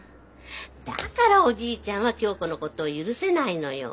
だからおじいちゃんは響子のことを許せないのよ。